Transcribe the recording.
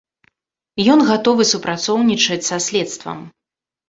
Ён гатовы супрацоўнічаць са следствам.